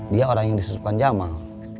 dia orang yang disusupkan jamal